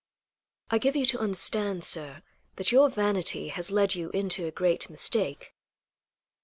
"I give you to understand, sir, that your vanity has led you into a great mistake."